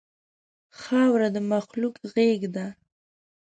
خاوره د مخلوق غېږه ده.